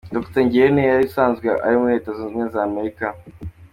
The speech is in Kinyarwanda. Dr Ngirente yari asanzwe aba muri Leta Zunze Ubumwe za Amerika.